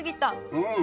うん。